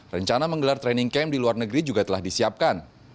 rencana menggelar training camp di luar negeri juga telah disiapkan